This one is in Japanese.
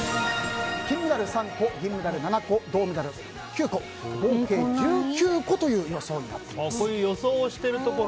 金メダル３個、銀メダル７個銅メダル９個、合計１９個という予想になっています。